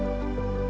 sangat jenis taif